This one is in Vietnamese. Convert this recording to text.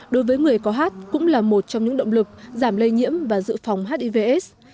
đối với người có hát cũng là một trong những động lực giảm lây nhiễm và giữ phòng hiv aids